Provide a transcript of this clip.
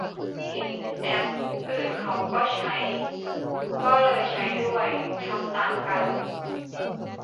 เห็นแอปอื่นเขาก็ใช้ ก็เลยใช้ด้วย ทำตามกัน